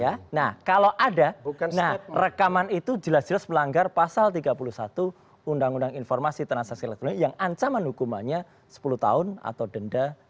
ya nah kalau ada nah rekaman itu jelas jelas melanggar pasal tiga puluh satu undang undang informasi transaksi elektronik yang ancaman hukumannya sepuluh tahun atau denda